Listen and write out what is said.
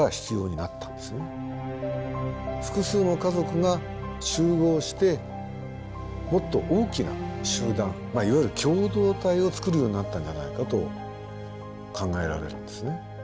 複数の家族が集合してもっと大きな集団いわゆる共同体を作るようになったんじゃないかと考えられるんですね。